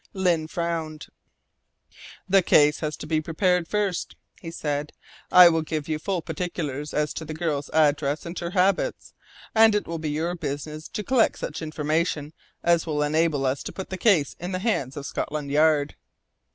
Lyne frowned. "The case has to be prepared first," he said. "I will give you full particulars as to the girl's address and her habits, and it will be your business to collect such information as will enable us to put the case in the hands of Scotland Yard."